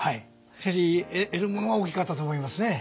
しかし得るものは大きかったと思いますね。